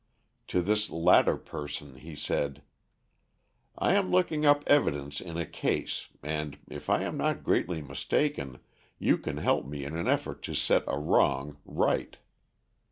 To this latter person he said: "I am looking up evidence in a case, and, if I am not greatly mistaken, you can help me in an effort to set a wrong right.